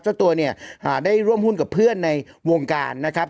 เจ้าตัวเนี่ยได้ร่วมหุ้นกับเพื่อนในวงการนะครับ